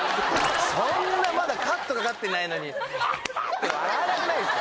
そんなまだカットかかってないのにハハッて笑わなくないですか？